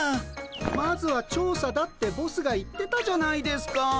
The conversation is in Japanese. まずは調査だってボスが言ってたじゃないですか。